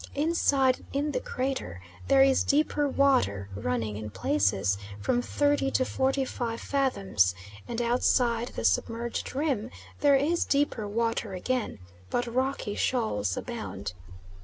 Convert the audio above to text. Inside, in the crater, there is deeper water, running in places from 30 to 45 fathoms, and outside the submerged rim there is deeper water again, but rocky shoals abound.